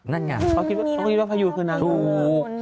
นั่นไงเขาคิดว่าพยูนคือน้ำเงือก